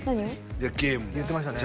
いやゲーム言ってましたね